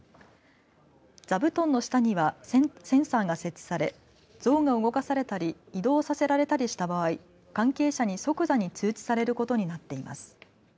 座布団の下にはセンサーが設置され像が動かされたり移動させられたりした場合関係者に即座に通知されることになっています。